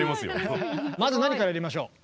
まず何からやりましょう？